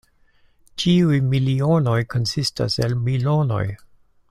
Ĉiuj milionoj konsistas el milonoj.